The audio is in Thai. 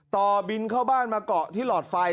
ต่อบินเข้าบ้านมาเกาะที่หลอดไฟ